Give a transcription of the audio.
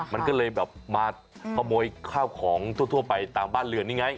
มันก็เลยแบบมาขโมยข้าวของทั่วไปตามบ้านเรือนนี่ไง